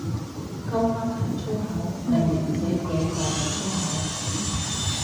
鳩噏係粗口，零零舍舍就係粗口